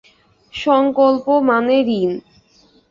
সঙ্কল্প মানে ঋণ।